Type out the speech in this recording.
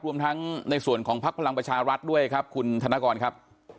รวมทั้งในส่วนของพักพลังประชารัฐด้วยครับคุณธนกรครับ